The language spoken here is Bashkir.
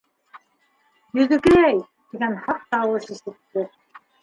— Йөҙөкәй, — тигән һаҡ тауыш ишетте.